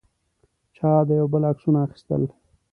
چا د یو بل عکسونه اخیستل.